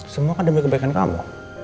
semua kan demi kebaikan kamu